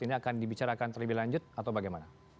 ini akan dibicarakan terlebih lanjut atau bagaimana